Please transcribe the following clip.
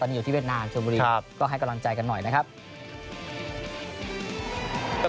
ตอนนี้อยู่ที่เวียดนามชนบุรีครับก็ให้กำลังใจกันหน่อยนะครับ